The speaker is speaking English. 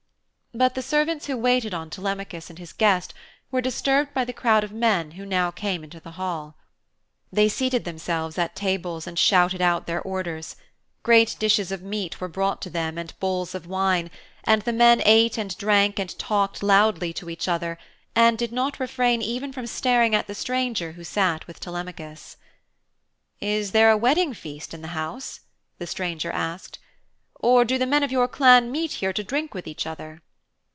But the servants who waited on Telemachus and his guest were disturbed by the crowd of men who now came into the hall. They seated themselves at tables and shouted out their orders. Great dishes of meat were brought to them and bowls of wine, and the men ate and drank and talked loudly to each other and did not refrain even from staring at the stranger who sat with Telemachus. 'Is there a wedding feast in the house?' the stranger asked, 'or do the men of your clan meet here to drink with each other?'